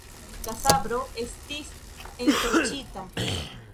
La sabro estis ensorĉita!